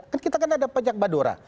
kan kita kan ada pajak badora